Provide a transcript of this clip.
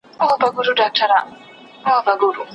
افغانانو په پاني پت کې خپله سوبه ثبت کړه.